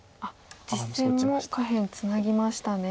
実戦も下辺ツナぎましたね。